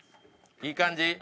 いい感じ？